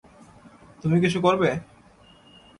তুমি কিছু করবে?